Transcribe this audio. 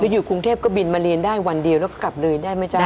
กรูผู้สืบสารล้านนารุ่นแรกแรกรุ่นเลยนะครับผม